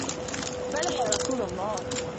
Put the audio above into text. بَلَى يَا رَسُولَ اللَّهِ